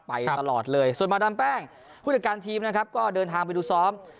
ไปตลอดเลยส่วนมาดามแป้งผู้จัดการทีมนะครับก็เดินทางไปดูซ้อม